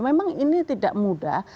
memang ini tidak mudah